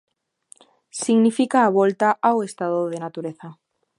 Significa a volta ao "estado de natureza".